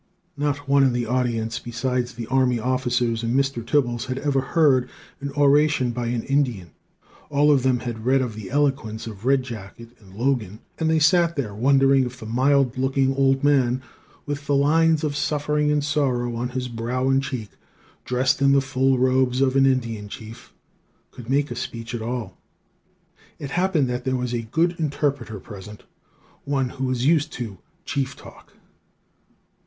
Not one in the audience besides the army officers and Mr. Tibbies had ever heard an oration by an Indian. All of them had read of the eloquence of Red Jacket and Logan, and they sat there wondering if the mild looking old man, with the lines of suffering and sorrow on his brow and cheek, dressed in the full robes of an Indian chief, could make a speech at all. It happened that there was a good interpreter present one who was used to 'chief talk.'